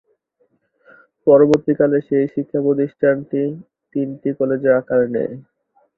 পরবর্তী কালে সেই শিক্ষা প্রতিষ্ঠানটি তিনটি কলেজের আকার নেয়।